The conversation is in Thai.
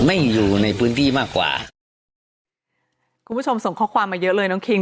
อยู่ในพื้นที่มากกว่าคุณผู้ชมส่งข้อความมาเยอะเลยน้องคิง